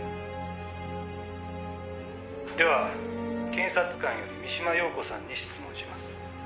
検察官より三島陽子さんに質問します」